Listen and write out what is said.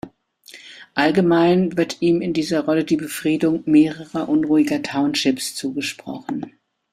Allgemein wird ihm in dieser Rolle die Befriedung mehrerer unruhiger Townships zugesprochen.